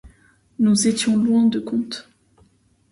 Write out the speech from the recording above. Nous étions loin de compte.